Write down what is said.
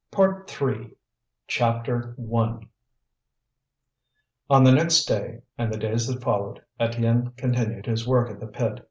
PART THREE CHAPTER I On the next day, and the days that followed, Étienne continued his work at the pit.